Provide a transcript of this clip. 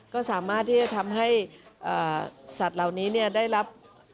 ก็สามารถที่จะทำให้สัตว์เหล่านี้ได้รับ